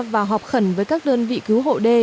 và họp khẩn với các đơn vị cứu hộ đê